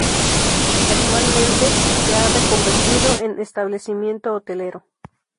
Actualmente se ha reconvertido en establecimiento hotelero.